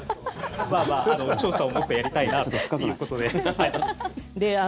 調査をもっとやりたいなということで。